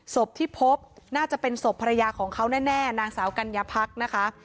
ศพที่พบน่าจะเป็นศพภรรยาของเขาแน่นางสาวกัญญาพักนะคะ